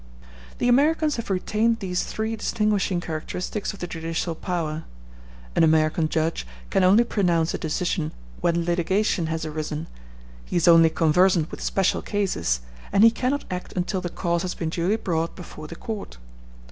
The Americans have retained these three distinguishing characteristics of the judicial power; an American judge can only pronounce a decision when litigation has arisen, he is only conversant with special cases, and he cannot act until the cause has been duly brought before the court.